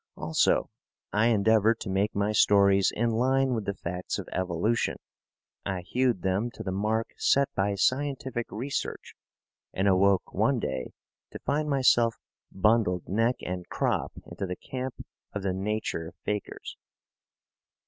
Also, I endeavoured to make my stories in line with the facts of evolution; I hewed them to the mark set by scientific research, and awoke, one day, to find myself bundled neck and crop into the camp of the nature fakers.